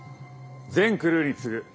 全クルーに告ぐ！